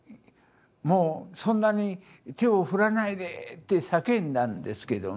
もうそんなに手を振らないでって叫んだんですけどね。